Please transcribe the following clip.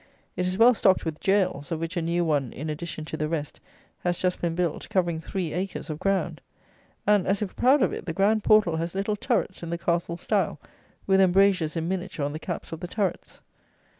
It is well stocked with jails, of which a new one, in addition to the rest, has just been built, covering three acres of ground! And, as if proud of it, the grand portal has little turrets in the castle style, with embrasures in miniature on the caps of the turrets.